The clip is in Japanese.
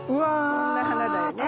こんな花だよね。